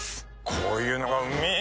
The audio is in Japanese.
こういうのがうめぇ